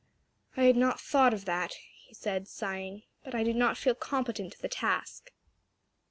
"I had not thought of that," he said sighing, "but I do not feel competent to the task."